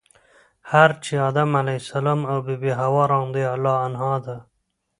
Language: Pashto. چی هغه ادم علیه السلام او بی بی حوا رضی الله عنها ده .